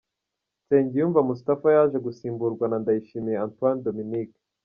Nsengiyumva Moustapha yaje gusimburwa na Ndayishimiye Antoine Dominique.